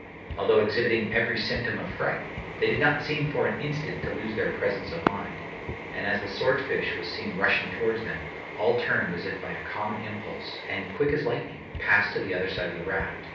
Although exhibiting every symptom of fright, they did not seem for an instant to lose their presence of mind; and as the sword fish was seen rushing towards them, all turned as if by a common impulse, and, quick as lightning, passed to the other side of the raft.